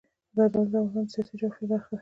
زردالو د افغانستان د سیاسي جغرافیه برخه ده.